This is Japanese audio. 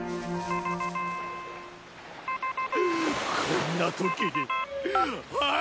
こんな時にはい！